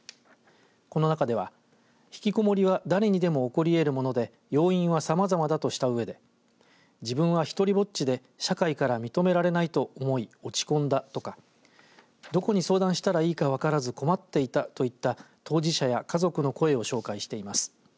この中では引きこもりは誰にでも起こり得るもので要因はさまざまだとしたうえで自分は１人ぼっちで社会から認められないと思い落ち込んだ、とかどこに相談したらいいか分からず困っていたといった当事者や家族の声を紹介しています。